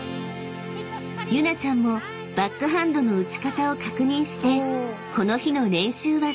［ユナちゃんもバックハンドの打ち方を確認してこの日の］